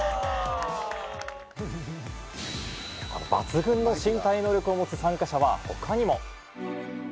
抜群の身体能力を持つ参加者は他にも。